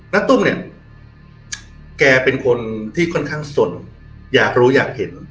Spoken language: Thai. ตุ้มเนี่ยแกเป็นคนที่ค่อนข้างสนอยากรู้อยากเห็น